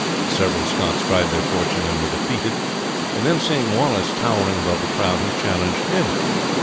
Several Scots tried their fortune and were defeated, and then seeing Wallace towering above the crowd he challenged him.